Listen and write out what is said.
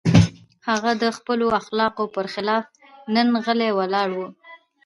هغه د خپلو اخلاقو پر خلاف نن غلی ولاړ و.